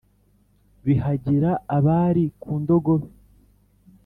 bihagira abari ku ndogobe